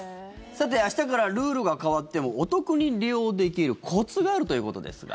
さて、明日からルールが変わってもお得に利用できるコツがあるということですが。